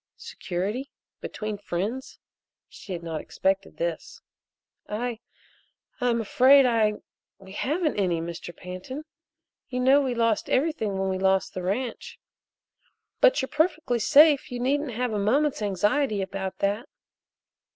Security? Between friends? She had not expected this. "I I'm afraid I we haven't any, Mr. Pantin. You know we lost everything when we lost the ranch. But you're perfectly safe you needn't have a moment's anxiety about that."